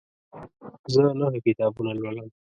زه نهه کتابونه لولم.